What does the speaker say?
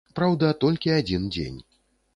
Праўда, толькі адзін дзень.